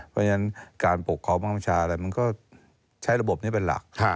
เพราะฉะนั้นการปกของมารมชาร์มันก็ใช้ระบบนี้เป็นหลัก